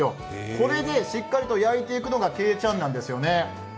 これでしっかりと焼いていくのがけいちゃんなんですね。